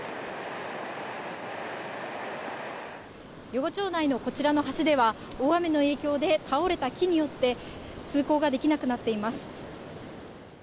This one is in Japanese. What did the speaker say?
余呉町内のこちらの橋では、大雨の影響で、倒れた木によって通行ができなくなっています。